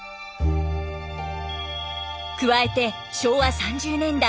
加えて昭和３０年代